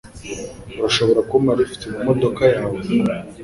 Urashobora kumpa lift mumodoka yawe?